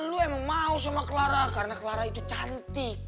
dulu emang mau sama clara karena clara itu cantik